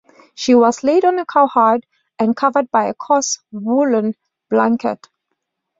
She was laid on a cow-hide and covered by a coarse woollen blanket.